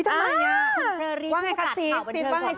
คุณเชอรี่จริง